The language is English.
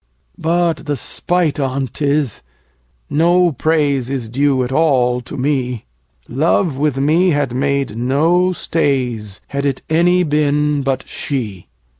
But the spite on 't is, no praise Is due at all to me: 10 Love with me had made no stays, Had it any been but she.